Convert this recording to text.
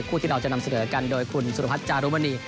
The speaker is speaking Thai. คู่ที่เราจะนำเสด็จกันโดยคุณสุรพัชย์จารุมณี